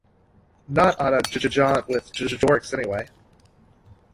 Not on a j-j-jaunt with J-J-Jorrocks anyway.